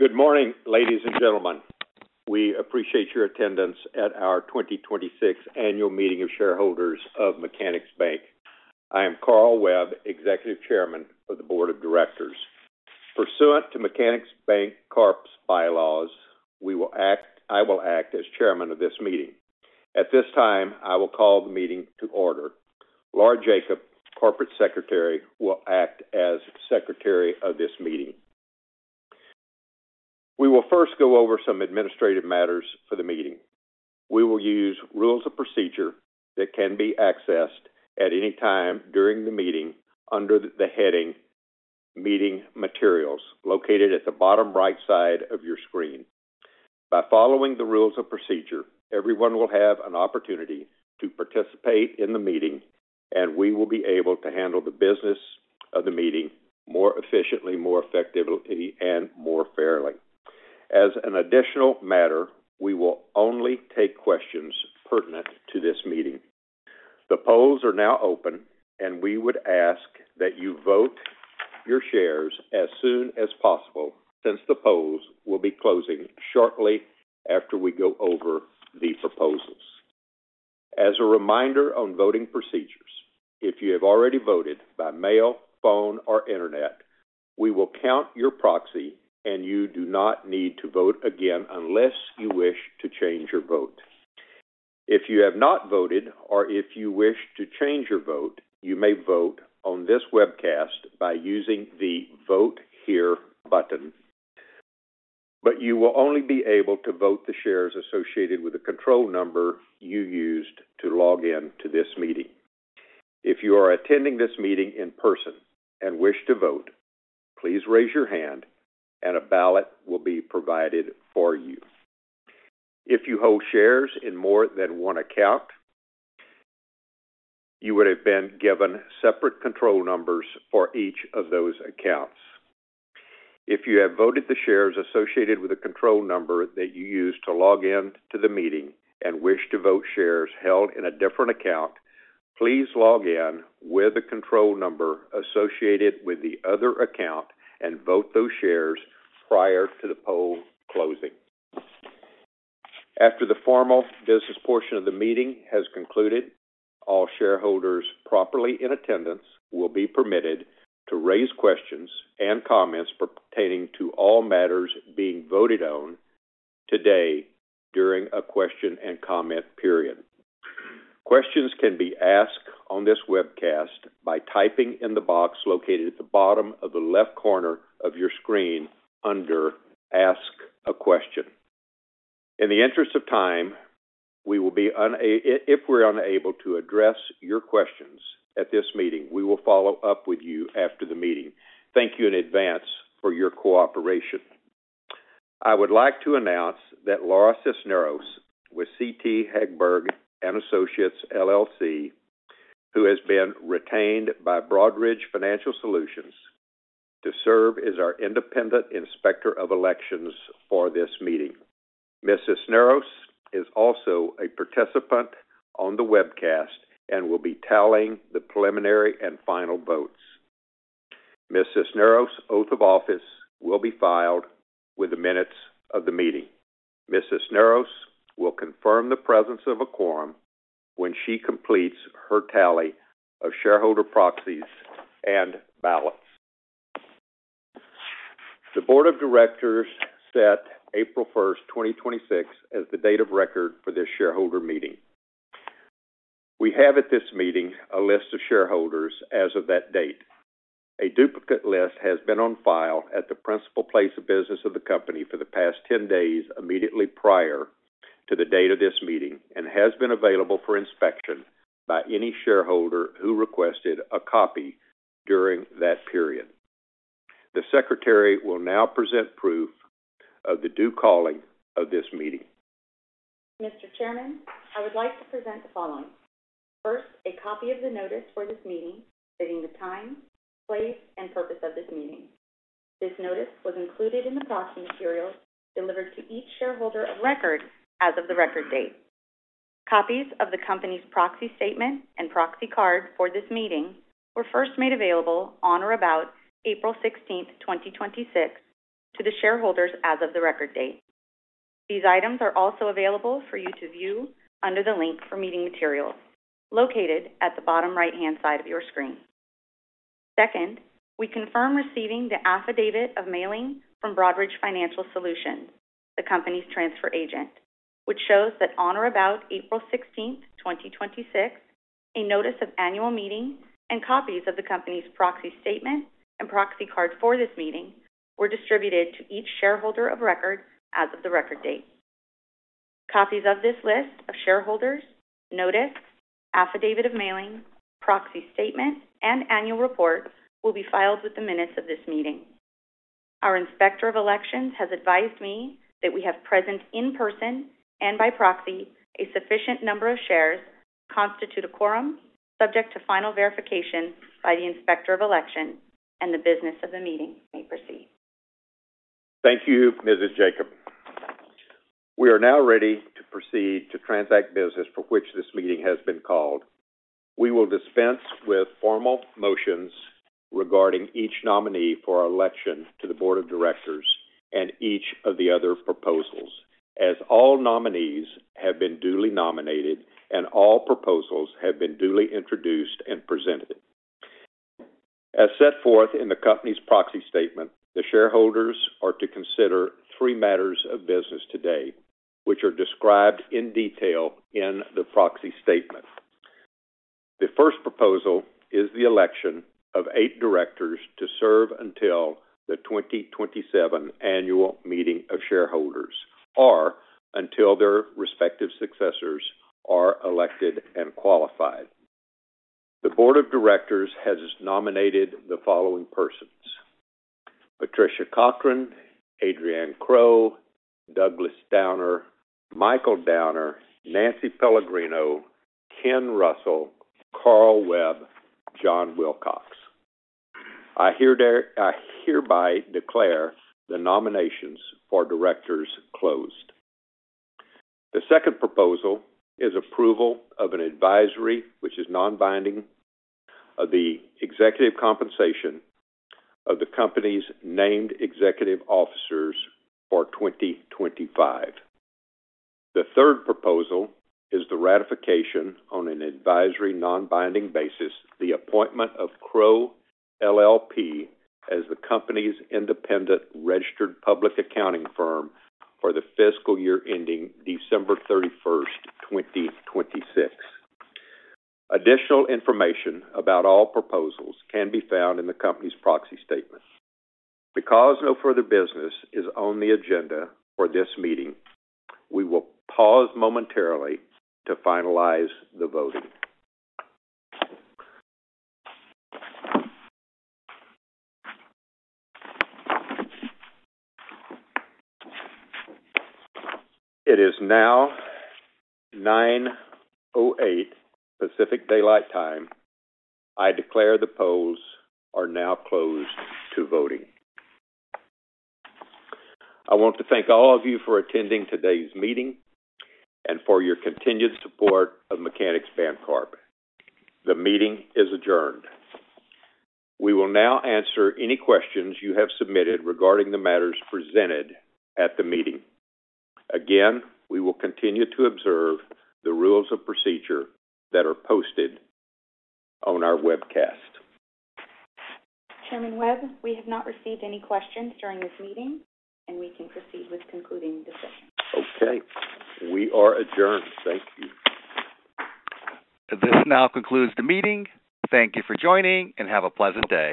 Good morning, ladies and gentlemen. We appreciate your attendance at our 2026 Annual Meeting of Shareholders of Mechanics Bank. I am Carl Webb, Executive Chairman of the Board of Directors. Pursuant to Mechanics Bancorp's bylaws, I will act as Chairman of this meeting. At this time, I will call the meeting to order. Laura Jacob, Corporate Secretary, will act as Secretary of this meeting. We will first go over some administrative matters for the meeting. We will use rules of procedure that can be accessed at any time during the meeting under the heading Meeting Materials, located at the bottom right side of your screen. By following the rules of procedure, everyone will have an opportunity to participate in the meeting, and we will be able to handle the business of the meeting more efficiently, more effectively, and more fairly. As an additional matter, we will only take questions pertinent to this meeting. The polls are now open. We would ask that you vote your shares as soon as possible since the polls will be closing shortly after we go over the proposals. As a reminder on voting procedures, if you have already voted by mail, phone, or internet, we will count your proxy. You do not need to vote again unless you wish to change your vote. If you have not voted or if you wish to change your vote, you may vote on this webcast by using the Vote Here button. You will only be able to vote the shares associated with the control number you used to log in to this meeting. If you are attending this meeting in person and wish to vote, please raise your hand and a ballot will be provided for you. If you hold shares in more than one account, you would have been given separate control numbers for each of those accounts. If you have voted the shares associated with the control number that you used to log in to the meeting and wish to vote shares held in a different account, please log in with the control number associated with the other account and vote those shares prior to the poll closing. After the formal business portion of the meeting has concluded, all shareholders properly in attendance will be permitted to raise questions and comments pertaining to all matters being voted on today during a question and comment period. Questions can be asked on this webcast by typing in the box located at the bottom of the left corner of your screen under Ask a Question. In the interest of time, if we're unable to address your questions at this meeting, we will follow up with you after the meeting. Thank you in advance for your cooperation. I would like to announce that Laura Cisneros with CT Hagberg & Associates, LLC, who has been retained by Broadridge Financial Solutions to serve as our independent inspector of elections for this meeting. Ms. Cisneros is also a participant on the webcast and will be tallying the preliminary and final votes. Ms. Cisneros' oath of office will be filed with the minutes of the meeting. Ms. Cisneros will confirm the presence of a quorum when she completes her tally of shareholder proxies and ballots. The Board of Directors set April 1st, 2026, as the date of record for this shareholder meeting. We have at this meeting a list of shareholders as of that date. A duplicate list has been on file at the principal place of business of the company for the past 10 days immediately prior to the date of this meeting and has been available for inspection by any shareholder who requested a copy during that period. The Secretary will now present proof of the due calling of this meeting. Mr. Chairman, I would like to present the following. First, a copy of the notice for this meeting, stating the time, place, and purpose of this meeting. This notice was included in the proxy materials delivered to each shareholder of record as of the record date. Copies of the company's proxy statement and proxy card for this meeting were first made available on or about April 16th, 2026, to the shareholders as of the record date. These items are also available for you to view under the link for meeting materials located at the bottom right-hand side of your screen. Second, we confirm receiving the affidavit of mailing from Broadridge Financial Solutions, the company's transfer agent, which shows that on or about April 16th, 2026, a notice of annual meeting and copies of the company's proxy statement and proxy card for this meeting were distributed to each shareholder of record as of the record date. Copies of this list of shareholders, notice, affidavit of mailing, proxy statement, and annual report will be filed with the minutes of this meeting. Our inspector of elections has advised me that we have present in person and by proxy a sufficient number of shares constitute a quorum subject to final verification by the inspector of election and the business of the meeting may proceed. Thank you, Mrs. Jacob. We are now ready to proceed to transact business for which this meeting has been called. We will dispense with formal motions regarding each nominee for election to the Board of Directors and each of the other proposals. All nominees have been duly nominated and all proposals have been duly introduced and presented. Set forth in the company's proxy statement, the shareholders are to consider three matters of business today, which are described in detail in the proxy statement. The first proposal is the election of eight Directors to serve until the 2027 annual meeting of shareholders or until their respective successors are elected and qualified. The Board of Directors has nominated the following persons: Patricia Cochran, Adrienne Crowe, Douglas Downer, Michael Downer, Nancy Pellegrino, Ken Russell, Carl Webb, Jon Wilcox. I hereby declare the nominations for Directors closed. The second proposal is approval of an advisory, which is non-binding, of the executive compensation of the company's named executive officers for 2025. The third proposal is the ratification on an advisory non-binding basis, the appointment of Crowe LLP as the company's independent registered public accounting firm for the fiscal year ending December 31st, 2026. Additional information about all proposals can be found in the company's proxy statement. Because no further business is on the agenda for this meeting, we will pause momentarily to finalize the voting. It is now 9:08 Pacific Daylight Time. I declare the polls are now closed to voting. I want to thank all of you for attending today's meeting and for your continued support of Mechanics Bancorp. The meeting is adjourned. We will now answer any questions you have submitted regarding the matters presented at the meeting. Again, we will continue to observe the rules of procedure that are posted on our webcast. Chairman Webb, we have not received any questions during this meeting, and we can proceed with concluding the session. Okay. We are adjourned. Thank you. This now concludes the meeting. Thank you for joining, and have a pleasant day.